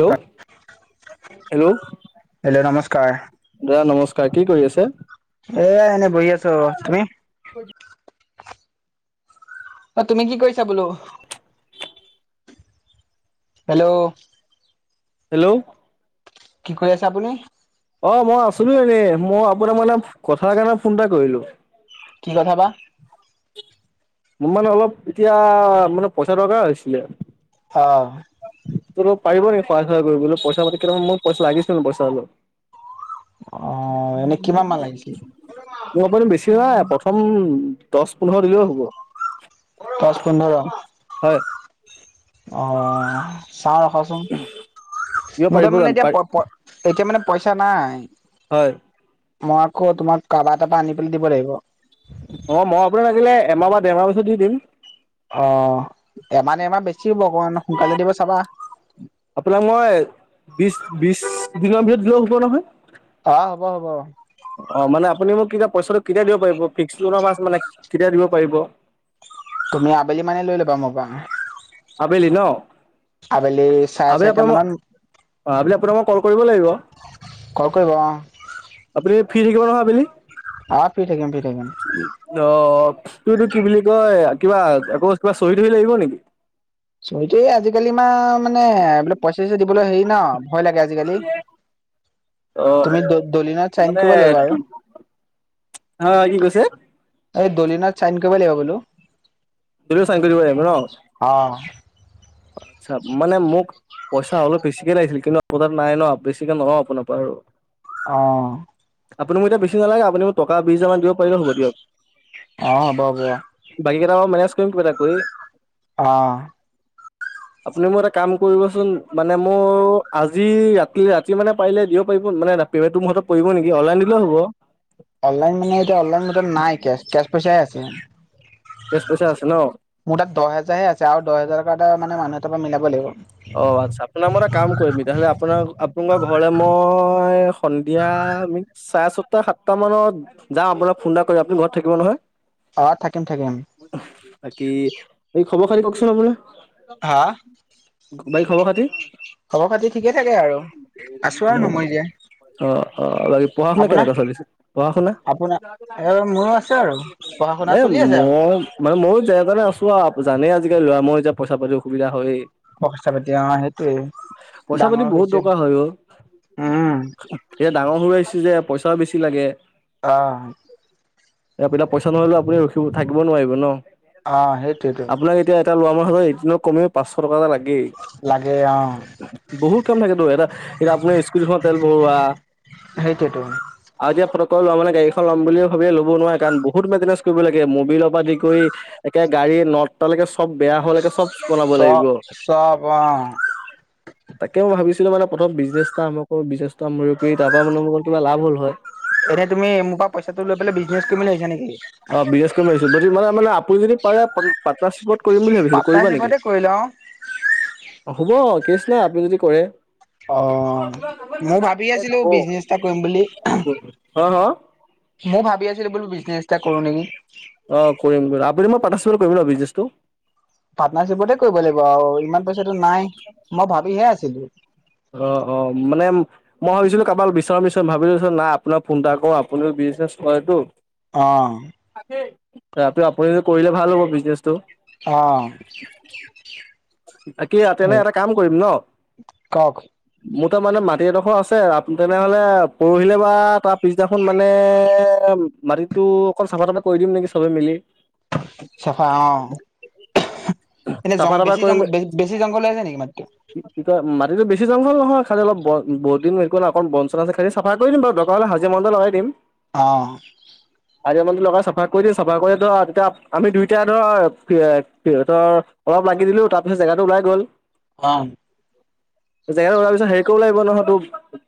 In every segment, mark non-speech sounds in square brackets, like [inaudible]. Hello! Hello! Hello নমস্কাৰ দাদা নমস্কাৰ কি কৰি আছে? এয়া এনে বহি আছো। তুমি? অঁ তুমি কি কৰিছা বোলো? হেল্লৌ! হেল্লৌ'' কি কৰি আছে আপুনি? অঁ মই আছিলো এনেই মই আপোনাৰ মানে কথাৰ কাৰণে ফোন এটা কৰিলোঁ। কি কথা বা? মোৰ মানে অলপ এতিয়া মানে পইচা দৰকাৰ হৈছিলে? অঁ! তোৰ পাৰিব নেকি সহায় চহাই কৰিবলে পইচা পাতি কেইটামান পইচা লাগিছিল পইচা অলপ। অঁ এনে কিমান মান লাগিছিল? মইপম বেছি হোৱাই প্ৰথম দহ পোন্ধৰ দিলেওঁ হ'ব। দচ পোন্ধৰ হয় আহ- চাওঁ ৰাখোচোন দিব মোৰ পাৰিব তাৰ জানো পাৰি পই পই এতিয়া মানে পইচা নাই। হয়ঁ! মই আকৌ তোমাক কাবাৰ তাপা আনি দিব লাগিব। অঁ মই আপোনাক লাগিলে এমাহ বা ডেৰমাহৰ পিছত দি দিম। অঁ এমা দেমাহ বেছি হ'ব ক কাইলে দিবা চাবা। আপোনাক মই বিশ বিশ দিনৰ ভিতৰত দিলো হৱ নহয়। অঁ হ'ব হ'ব। অঁ মানে আপুনি মোক এতিয়া পইচাটো কেতিয়া দিব পাৰিব ফিক্স কথা কোৱাচোন মানে কেতিয়া দিব পাৰিব? তুমি আবেলি মানে লৈ ল'বা মোৰ অহ। আবেলি ন। আবেলি- চাৰে আবেলি চাৰিটা আপোনাক মোক মানত অ আবেলি আপোনাক মোক কল কৰিব লাগিব। কল কৰিব অ আপুনি ফিৰি থাকিব নহয় আবেলি? অঁ ফিৰি থাকিম ফিৰি থাকিম। অঁ তটো কি বুলি কয় কিবা আকৌ কিবা চহি তহি লাগিব নেকি? চহী তয়ী আজিকালি মা মানে এইবিলাক- পইচা চইচা দিবলৈ হেৰি না ভয় লাগে আজিকালি। অ অ তুমি দ দলিনত চাইন কৰিব লাগিব আৰু অ কি কৈছে এই দলিনত চাইন কৰিব লাগিব বোলো দদিলত চাইন কৰি দিব লাগিব ন অ আচ্ছা মানে মোক পইচা অলপ বেছিকে লাগিছিল কিন্তু আপোনাৰ নাই ন বেছিকে নলওঁ আপোনাৰ পৰা আৰু অঁ আপুনি মোক এতিয়া বেছি নালাগে আপুনি মোক টকা বিছ হাজাৰমান দিব পাৰিলে হ'ব দিয়ক অ হ'ব হ'ব বকী কেইটকা মেনেস কৰিম কিবা এটা কৰি অ [inaudible] আপুনি মোক এটা কাম কৰিবচোন মানে মোৰ আজি ৰাতি ৰাতি মানে পাৰিলে দিব পাৰিব মানে [unintelligible] পেমেণ্টটো মোৰ হাতত পৰিব নেকি অন লাইন দিলেও হ'ব অনলাইন মানে এতিয়া অনলাইন মোৰ তাত নাই কেচ কেচ পইচাই আছে কেছ পইচা আছে ন মোৰ তাত দহ হেজাৰহে আছে আৰু দহ হাজাৰ এটা মানে মানুহ এটাৰ পৰা মিলাব লাগিব অ আচ্ছা আপোনাক মই এটা কাম কৰিম তেনেহলে আপোনাৰ আপোনাৰ ঘৰলে মই সন্ধিয়া চাৰেছটা সাতটা মানত যাম আপোনাক ফোন এটা কৰি আপুনি ঘৰত থাকিব নহয় অঁ থাকিম থাকিম [unintelligible] বাকী এই খবৰ খাতি কওকচোন আপোনৰ হা বাকী খবৰ খাতি খবৰ খাতি ঠিকে থাকে আৰু আছো [unintelligible] আৰু নমৰি জীয়াই আহ অ অ বাকী পঢ়া শুনা আপোনাৰ কেনেকা চলিছে পঢ়া-শুনা আপোনাৰ এ মোৰো আছে আৰু পঢ়া শুনা এই চলি আছে আৰু মই মানে ময়ো যেনে তেনে আছো আৰু জানেইে আজিকালি ল'ৰা ময়ো পইচা পাতি অসুবিধা হয়েই ফস্ক ছেভেণ্টিন অহ সেইটোৱে পইচা পাতি বহুত দৰকাৰ হয় অ উম এতিয়া ডাঙৰ হৈ আহিছো যে পইচাও বেছি লাগে অ এতিয়া পইচা নহ'লেও আপুনি ৰখিব থাকিব নোৱাৰিব ন আহ সেইটোৱেতো আপোনাক এতিয়া এটা ল'ৰা মানুহৰ হাতত এদিনত কমেও পাঁচশ টকা এটা লাগেই লাগে অ বহুত কাম থাকেতো এটা এতিয়া আপুনি স্কুটিখনত তেল ভৰোৱা সেইটোয়েটো আজিয়ে পটককে লোৱা মানে গাড়ী এখন ল'ম বুলি ভাবিলে ল'ব নোৱাৰে কাৰণ বহুত মেইনটেনেঞ্চ কৰিব লাগে মবিলৰে পৰা আদি কৰি একে গাড়ীৰ নট এটালৈকে চব বেয়াহোৱালৈকে চব বনাব চব লাগিব চব অঁ তাকে মই ভাবিছিলো মানে প্ৰথম বিজনেছ ‌এটা আৰম্ভ কৰো বিজনেছটো আৰম্ভণি কৰি তাৰ পৰা মানে কিবা অলপ লাভ হ'ল হয় এতিয়া তুমি মোৰ পৰা পইচাটো লৈ পেলাই বিজনেচ কৰিম বুলি ভাহিছা অ নেকি বিজনেছ কৰিম বুলি ভাবিছো মানে আপুনি যদি পাৰে পা পাৰ্টনাৰশ্বিপত কৰিম বুলি ভাবিছিলো কৰিবা নেকি পাৰ্টনাৰশ্বিপতে কৰি লওঁ হ'ব কেচ নাই আপুনি যদি কৰে অ মই ভাবি আছিলো বিজনেছ এটা কৰিম বুলি হা হা মই ভাবি আছিলো বোলো বিজনেছ এটা কৰো নেকি অ কৰিম আপুনি মই পাৰ্টনাৰশ্বিপত কৰিম ন বিজনেছটো পাৰ্টনাৰশ্বিপতে কৰিব লাগিব আৰু ইমান পইচাটো নাই মই ভাবিহে আছিলো অ' অ' মানে মই ভাবিছিলো [unintelligible] বিচাৰিম ভাবিলো নাই আপোনাক ফোন এটা কৰো আপুনিও বিজনেছ কৰেটো। অ'। [unintelligible] আপুনিটো কৰিলে ভাল হ'ব বিজনেছটো অ [unintelligible] সেই তেনে এটা কাম কৰিম ন। কওক। মোৰ তাৰ মানে মাটি এডখৰ আছে তেনেহলে পৰহিলে বা তাৰ পিছদিনাখন মানে মাটিতো অকন চাফা-তাফা কৰি দিম নেকি চবে মিলি। চাফা অ'। এনে চাফা জং বেছি জং বে-বেছি জংঘল হৈ আছে নেকি মাটিটো। কি কি কয় মাটিটো বেছি জংঘল নহয়, খালী অলপ ব বহুত দিন হেৰি কৰা নাই অকণ বন চন আছে খালী চফা কৰি দিম বাৰু, দৰকাৰ হ'লে হাজিৰা মানুহ এটা লগাই দিম। অ'। হাজিৰা মানুহটো লগাই চাফা কৰি দি চাফা কৰি ধ তেতিয়া আমি দুইটাই ধৰ [unintelligible] ত' অলপ লাগি দিলো তাৰ পিছত জেগাটো ওলাই গ'ল। অ'। জেগাটো ওলোৱাৰ পিছত হেৰি কৰিব লাগিব নহয় তোক,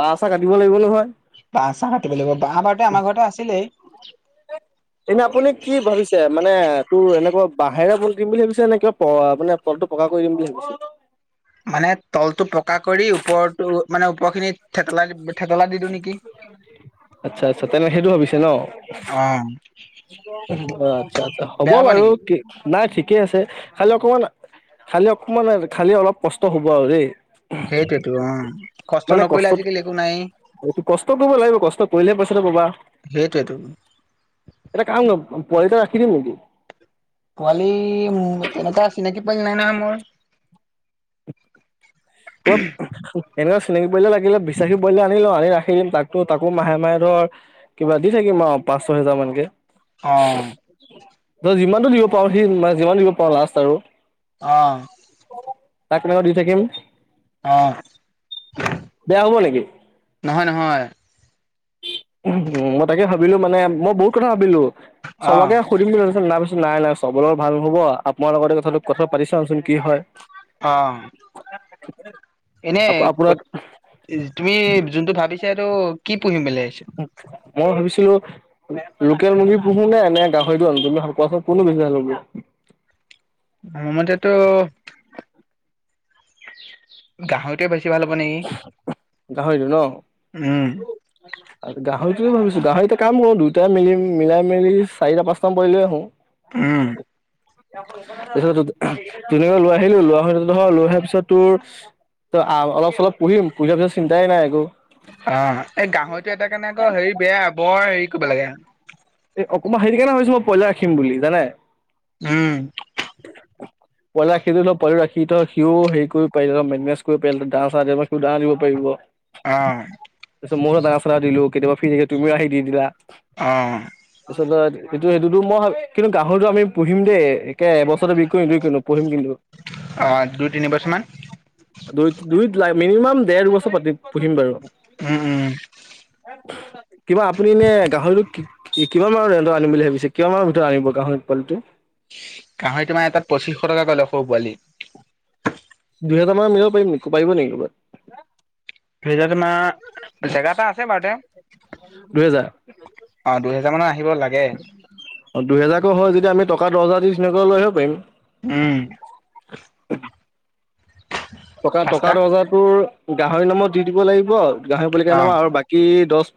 বাঁহ চাহ কাটিব লাগিব নহয়। বাঁহ চাহ কাটিব লাগিব, বাঁহ বাৰুতে আমাৰ ঘৰতে আছিলেই। এনে আপুনি কি ভাবিছে মানে তোৰ এনেকুৱা বাঁহেৰে দিম বুলি ভাবিছে নে কিবা প মানে তলটো পকা কৰি দিম বুলি ভাবিছে। মানে তলটো পকা কৰি ওপৰটো মানে ওপৰখিনি থেতেলা দি দিওঁ নেকি। আচ্ছা আচ্ছা তেনে সেইটো ভাবিছে ন! অ' অ আচ্ছা আচ্ছা হ'ব বেয়া বাৰু নেকি কি নাই ঠিকেই আছে, খালি অকমান খালি অকমান খালি অলপ কষ্ট হ'ব আৰু দেই। সেইটোৱেইটো অ' কষ্ট নকৰিলে আজিকালি একো নাইয়ে। এইটো কষ্ট কৰিব লাগিব, কষ্ট কৰিলেহে পইচাটো পাবা। সেইটোৱেতো এটা কাম কৰিম পো পোৱালি এটা ৰাখি দিম নেকি? পোৱালী, মো তেনেকুৱা চিনাকি পোৱালী নাই নহয় মোৰ। [unintelligible] এনেকুৱা চিনাকী পোৱালী এটা লাগিলে বিশ্বাসী পোৱালী এটা আনি ল' আনি ৰাখি ল' তাকটো তাকো মাহে মাহে ধৰ কিবা দি থাকিম আৰু পাঁচ-ছয় হেজাৰ মানকে। অ'। [unintelligible] তই যিমানটো দিব পাৰ' সি যিমান দিব পাৰ' লাষ্ট আৰু। অ'। তাক সেনেকে দি থাকিম। অ'। বেয়া হ'ব নেকি? নহয় নহয় মই তাকে ভাবিলো মানে, মই বহুত কথা ভাবিলো। অ চবকে সুধিম বুলি ভাবিছিলোঁ নাই নাই চবৰ লগত ভাল নহ'ব। আপোনাৰ লগতে কথাটোকথা পাতি চাওঁচোন কি হয়? অ'এনেই আপোনাৰ তুমি যোনটো ভাবিছা, এইটো কি পুহিম বুলি ভাবিছা? মই ভাবিছিলোঁ লোকেল মুৰ্গী পুহো নে, নে গাহৰিটো আনো তুমি কোৱাচোন কোনটো বেছি ভাল হব? আমাৰ মতেটো গাহৰিটোৱে বেছি ভাল হ'ব নেকি? উম। [unintelligible] আ গাহৰিটোৱে ভাবিছোঁ গাহৰিটোৱে কামোৰো দুইটাই মিলি - মিলাই -মিলি চাৰিটা - পাঁচটামান পোৱালী লৈ আহোঁ। উম [inaudible] এইটোত তো, তোলেও লৈ আহিলো, লৈ অহা নহয় লৈ অহা পিছত তোৰ ত আ অলপ চলপ পঢ়িম, পঢি লোৱা পিছত চিন্তাই নাই একো হাঁ এই এই গাহৰিতটো এটাৰ কাৰণে আকৌ হেৰি বেয়া বৰ হেৰি কৰিব লাগে এ অকণমান হেইটো কাৰনে ভাবিছো মই পইলা ৰাখিম বুলি, জানে? উম। [inaudible] পোৱালি ৰাখিবি ল পোৱালি ৰাখি ধৰ সি ত' সিও হেৰি কৰি পাৰিলে হ মনটেনেজ কৰিব পাৰিলে হয় দানা চানা দি টো দানা দিব পাৰিব। অঁহ তাৰপিছত ময়ো ডানা চানা দিলো, কেতিয়াবা ফ্ৰি হৈ তুমিও আহি দি দিলা। অঁহ। পিছতে এইটো সেইটোত মই, কিন্তু গাহৰিটো আমি পুহিম দেই। একে এবছৰতে বিকি কৰিম কিনো পুহিম কিন্তু। অঁ দুই তিনিবছৰ মান দুই দুইত নাই মিনিমাম দেৰ বছৰ পাতি পুহিম বাৰু। উম উম। কিবা আপুনি ইনে গাহৰিটো কি কিমানৰ ৰেঞ্জৰ আনিম বুলি ভাবিছে? কিমানৰ মানৰ ভিতৰত আনিব গাহৰি পোৱালিটো? গাহৰিটো মানে এটাত তাত পঁচিশ টকা কৈ লয় সৰু পোৱালি। দুহেজাৰ মান লৈ আহিব পাৰিম নি? পাৰিব নেকি ক'বাত? দুহেজাৰ তোমাৰ জেগা এটা আছে বাৰু তে দু হেজাৰ? অঁ দুহেজাৰ মানত আহিব লাগে। অ' দুহেজাৰকো হয় যদি আমি টকা দহ হজাৰ দি ধুনীয়াকৈ লৈ আহিব পাৰিম। উম। টকা টকা পাঁচটা দহ হাজাৰ তোৰ গাহৰি নামত দি দিব লাগিব, গাহৰি পোৱালি কেইটা অ নামত আৰু বা কি দচ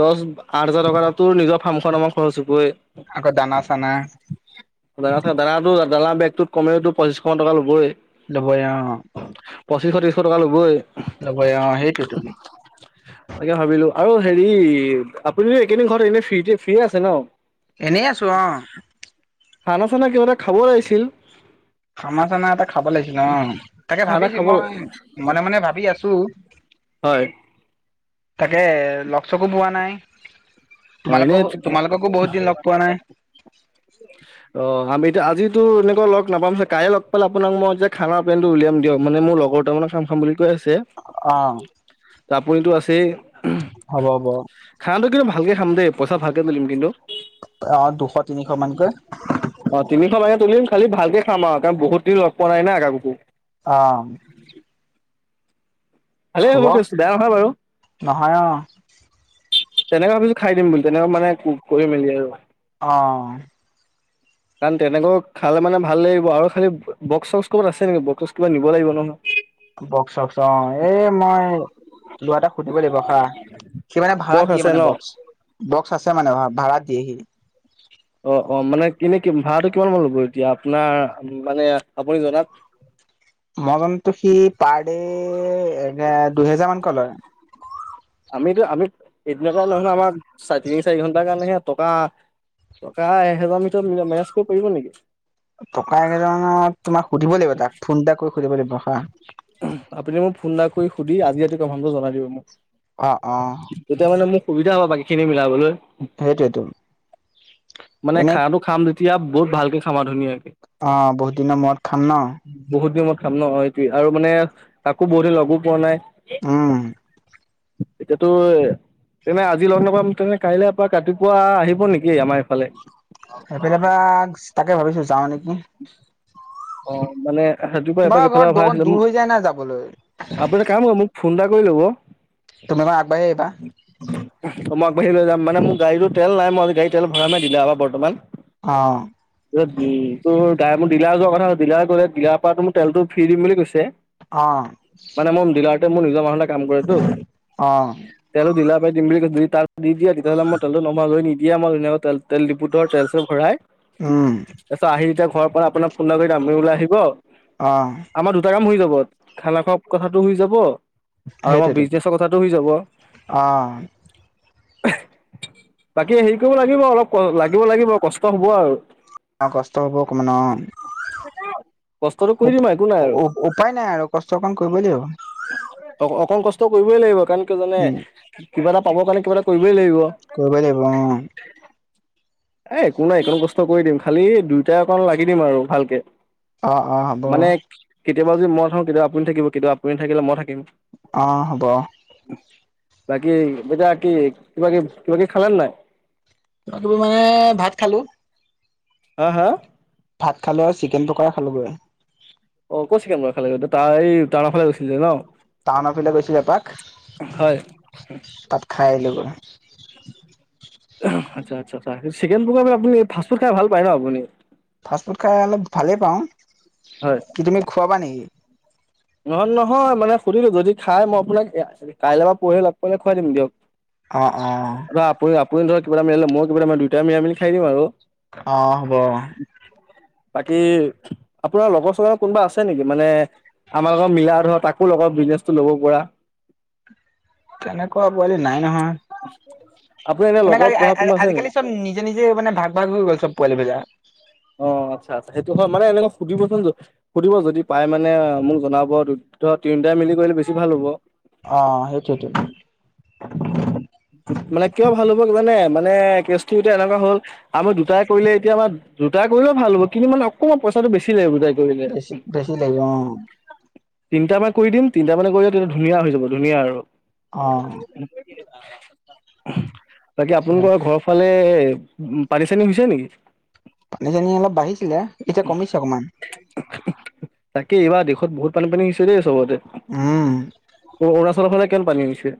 দচ আঠ হাজাৰ টকা তোৰ নিজৰ ফাম খন নামত খৰচ হ'বই। আকৌ দানা চানা দানা চানা, দানাটো দানা বেগটোত কমেও টোৰ পঁচিশ মান টকা ল'বই। ল'বই অঁ। পঁছিশ ত্ৰিচ শ টকা ল'বই। ল'বই অঁ, সেইটোৱেতো। তাকে ভাবিলো আৰু হেৰি, আপুনি এইকেইদিন ঘৰত এনে ফ্ৰী ফ্ৰীয়ে আছে ন'? এনেই আছো অঁ। খানা চানা কিবা এটা খাব লাগিছিল। খানা চানা এটা খাব লাগিছিল অঁ। তাকে খানা ভাবিছো খাব মই মনে মনে ভাবি আছো। হয়। তাকে ল'গ চকো পোৱা নাই। অ এনে তোমালোকহু তোমালোককো বহুত দিন ল'গ পোৱা নাই। [inaudible] অ' আমি এতিয়া আজিতো এনেকৈ ল'গ নাপাম চাগে, কাইলে ল'গ পালে আপোনাক মই যে খানা পেনটো উলিয়াম দিয়ক মানে মোৰ লগৰ দুটামানে খাম খাম বুলি কৈ আছে। অ। আপুনিতো আছেই। হ'ব, হ'ব। খানাটো কিন্তু ভালকে খাম দেই পইচা ভালকে টুলিম কিন্তু। অ দুশ তিনিশ মানতকৈ। অ তিনিশ মানে তুলিম খালি ভালকে খাম আৰু কাৰণ বহুত দিন লগ পোৱা নাই না কাকো। অ। ভালেই হ'ব কেছ বেয়া নহয় বাৰু। নহয় অ। তেনেকুৱা ভাবিছো খাই দিম বুলি তেনেকুৱা মানে কৰি মেলি আৰু। অঁ। কাৰণ তেনেকৈ খালে মানে ভাল লাগিব আৰু খালী বক্স চক্স ক'বাত আছে নেকি বক্স চক্স কিবা নিব লাগিব নহয়। বক্স চক্স অ এই মই ল'ৰা এটাক সুধিব লাগিব ৰখা। সি মানে ভাড়াত বক্স দিয়ে আছে মানে ন বক্স। বক্স আছে মানে ভাড়াত দিয়ে সি। অ অ মানে কিনে ভাড়াটো কিমান মান ল'ব এতিয়া আপোনাৰ মানে আপুনি জনাক? মই জনাটো সি পাৰডে এ দুই হেজাৰ মানকৈ লয়। আমিতো আমি এদিনৰ কাৰণে নহয় আমাৰ চাৰি তিনি চাৰি ঘন্টাৰ কাৰণেহে টকা টকা এহেজাৰৰ ভিতৰত মেনেজ কৰিব নেকি? টকা এহেজাৰ মানত তোমাক সুধিব লাগিব তাক ফোন এটা কৰি সুধিব লাগিব ৰখা। আপুনি মোক ফোন এটা কৰি সুধি আজিটো কম ফ্ৰমটো জনাই দিব মোক। অ, অ। তেতিয়া মানে মোৰ সুবিধা হ'ব বাকী খিনি মিলাবলৈ সেইটোৱেতো মানে এনে খানাটো খাম যেতিয়া বহুত ভালকে খাম ধুনীয়াকে। অ বহুত দিনৰ মূৰত খাম ন। বহুত দিন মুৰত খাম ন সেইটোৱে আৰু মানে কাকো বহুতদিন লগো পোৱা নাই। উম। এতিয়া তো তেনে আজি লগ নাপাম তেনে কাইলৈ এপাক ৰাতিপুৱা আহিব নেকি আমাৰ ইফালে? সেইফালে এপাক তাকে ভাবিছো যাওঁ নেকি। অ মানে ৰাতিপুৱা তোমাৰ এপাক এফালে ঘৰত অহা আছিলে দূৰ হৈ যায় না যাবলৈ মোক আপুনি এটা কাম কৰিব মোক ফোন এটা কৰি ল'ব। তুমি এক বাঢ় আগবাঢ়ি আহিবা। মই আগবাঢ়ি লয় যাম মোৰ গাড়ীতো তেল নাই মই আজি গাড়ী তেল ভৰা়ম হে ডিলাৰ পৰা বৰ্তমান। অ। তাৰপিছত উম তোৰ মোৰ ডিলাৰ যোৱা কথা ডিলাৰ কলে ডিলাৰ পৰা মোক তেলটো ফ্ৰিৰি দিম বুলি কৈছে। অ মানে মোৰ ডিলাৰতে মোৰ নিজৰ মানুহ এটাই কাম কৰেতো। অ তেল ডিলাৰ পৰাই দিম বুলি যদি তাত নিদিয়ে তেতিয়াহ'লে মই তেলটো নভৰাও লৈ নিদিয়ে মই তেনেহলে তেল ডিপুতৰ তেল তেল টো ভৰাই। উম। তাৰপিছত ঘৰৰ পৰা আপোনাক ফোন এটা কৰি যাম আপুনি ওলাই আহিব। আহ। আমাৰ দুটা কাম হৈ যাব খানা খোৱা কথাটো হয় যাব। আৰু আমাৰ সেইটোৱেতো বিজনেছৰ কথাটো হৈ যাব। অ বাকী হেৰি কৰিব লাগিব অলপ লাগিব লাগিব কষ্ট হব আৰু। অ কষ্ট হ'ব অকমান অ কুও কষ্টটো উ, উপ কৰি দিম আৰু একো নাই উ আৰু উ উপায় নাই আৰু কষ্ট অকন কৰিবই লাগিব। গছবোৰে অ অকন কষ্ট কৰিবই লাগিব কাৰণ কিয় জানে উম কিবা এটা পাব কাৰণে কিবা এটা কৰিবই লাগিব। কৰিবই লাগিব অ অ অ। এ একো নাই একণো কষ্ট কৰি দিম খালি দুইটাই অকণ লাগি দিম আৰু ভালকে। অ অ হ'ব। মানে কেতিয়াবা যদি মই থাকো কতিয়াবা আপুনি থাকিব কেতিয়া আপুনি নাথাকিলে মই থাকিম। অঁ হ'ব। উমহ, বাকী এতিয়া কি কিবা-কিব কিবা-কিবি খালে নে নাই? [unintelligible] মানে ভাত খালোঁ। হা হা। ভাত খালো আৰু চিকেন পকঢ়া খালোগৈ। অ ক'ত চিকেন পকঢ়া খালেগে টাও এই টাউনৰফালে গৈছিলি যে ন। টাউনৰ ফালে গৈছিলো এপাক হয় তাত খাই আহিলো গৈ। এ হুম্ আচ্ছা আচ্ছা, তাকে চিকেন পকঢ়া মানে আপুনি ফাষ্টফুড খাই ভাল পায় ন আপুনি। ফাষ্টফুড খাই অলপ ভালেই পাওঁ হয় কি তুমি খোৱাবা নেকি? নহয় নহয় মানে সুধিলো যদি খায় মই আপোনাক কাইলৈ পৰহিলৈ লগ পালে খোৱাই দিম দিয়ক। অ অ। আৰু আপু আপুনি ধৰক কিবা এটা মিলালে মইয়ো কিবা এটা মিলাই দুইটাই মিলাইমিলি খাই দিম আৰু অ হ'ব। উমহ বাকী আপোনাৰ লগৰ-চগৰ কোনোবা আছে নেকি মানে আমাৰ লগৰ মিলা ধৰা তাকো লগত বিজনেচটো ল'ব পৰা। তেনেকুৱা পোৱালি নাই আপোনাৰ নহয় এনে এনেকা লগত আজি আ পঢ়া আ কোনোবা আছে নেকি? আজিকালি চব নি নিজে নিজে মানে ভাগ- ভাগ হৈ গৈছে পোৱালিবিলাক। অ আচ্ছা আচ্ছা এইটো হয় মানে এনেকা সুধিব চোন য সুধিব যদি পাই মানে মোক জনাব দুটা তিনিটাই মিলি কৰিলে বেছি ভাল হ'ব। অ অ, সেইটোৱেটো। উমহ মানে কিয় ভাল হ'ব কি মানে মানে কেচটো এতিয়া এনেকুৱা হ'ল হে হে আমাৰ দুটাই কৰিলে এতিয়া আমাৰ দুটাই কৰিলেও ভাল হব কিন্তু মানে অকণমান পইচাটো বেছি লাগিব দে। বেছি বেছি লাগিব অ অ। তিনিটামান কৰি দিম তিনিটামানে কৰিলে তেতিয়া ধুনীয়া হৈ যাব ধুনীয়া আৰু অঁ অ। উম হু, বাকী আচ্ছা আপোনালোকৰ ঘৰৰ ফালে পানী-চানী হৈছে নেকি। পানী-চানী অলপ বাঢ়িছিলে এতিয়া কমিছে অকমান। ঠি টু টাকি টাকি, তাকেই এইবাৰ দেশত বহুত পানী পানী হৈছে দেই চবতে। উম। অ অৰুণাচলৰ ফালে কেন পানী হৈছে?